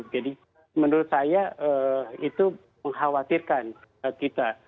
jadi menurut saya itu mengkhawatirkan kita